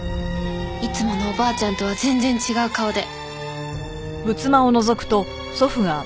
いつものおばあちゃんとは全然違う顔で。